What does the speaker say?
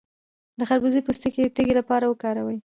د خربوزې پوستکی د تیږې لپاره وکاروئ